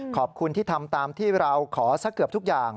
ขอบคุณที่ทำตามที่เราขอสักเกือบทุกอย่าง